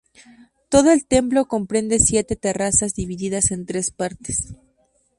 Todo el templo comprende siete terrazas, divididas en tres partes.